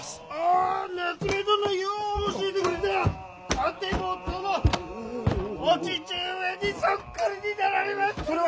さても殿お父上にそっくりになられましたなあ！